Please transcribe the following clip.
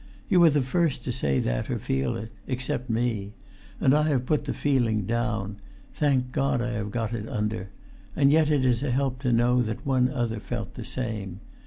You are the first to say that or to feel it—except me! And I have put the feeling down; thank God, I have got it under; yet it is a help to know that one other felt the same.